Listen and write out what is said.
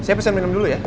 saya pesen minum dulu ya